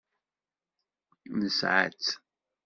Nesɛa-tt.